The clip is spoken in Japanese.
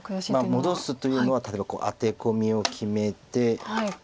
戻すというのは例えばアテコミを決めて。